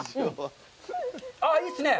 ああ、いいっすね。